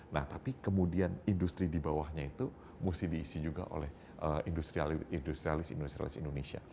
nah tapi kemudian industri di bawahnya itu mesti diisi juga oleh industrialis industrialis indonesia